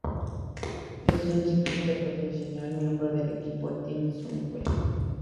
Es un ciclista profesional miembro del equipo Team Sunweb.